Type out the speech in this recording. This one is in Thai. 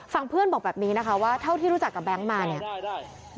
เพื่อนบอกแบบนี้นะคะว่าเท่าที่รู้จักกับแบงค์มาเนี่ย